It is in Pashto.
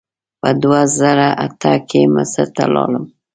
په دوه زره اته کې مصر ته لاړم.